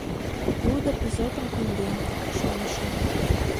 Лудо пызетым кондем, шонышым